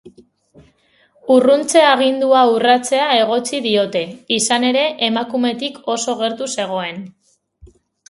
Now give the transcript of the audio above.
Urruntze agindua urratzea egotzi diote, izan ere, emakumetik oso gertu zegoen.